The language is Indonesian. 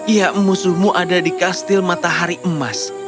ya musuhmu ada di kastil matahari emas